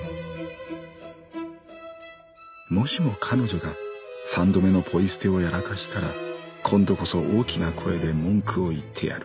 「もしも彼女が三度目のポイ捨てをやらかしたら今度こそ大きな声で文句を言ってやる。